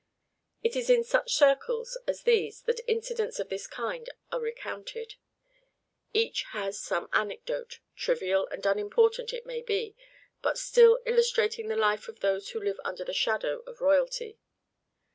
It is in such circles as these that incidents of this kind are recounted. Each has some anecdote, trivial and unimportant it may be, but still illustrating the life of those who live under the shadow of Royalty.